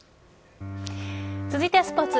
続いてはスポーツ。